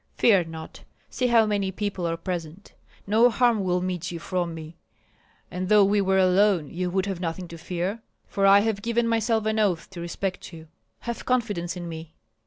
Fear not! See how many people are present. No harm will meet you from me. And though we were alone you would have nothing to fear, for I have given myself an oath to respect you. Have confidence in me."